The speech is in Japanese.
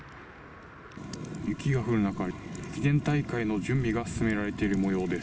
雪が降る中、駅伝大会の準備が進められているもようです。